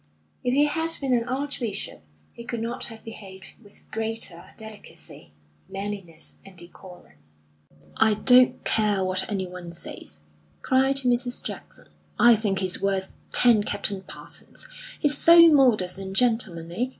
If he had been an archbishop, he could not have behaved with greater delicacy, manliness, and decorum. "I don't care what anyone says," cried Mrs. Jackson, "I think he's worth ten Captain Parsons! He's so modest and gentlemanly.